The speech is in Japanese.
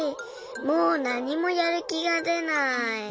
もうなにもやるきがでない。